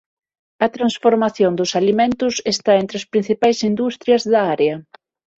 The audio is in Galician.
A transformación dos alimentos está entre as principais industrias da área.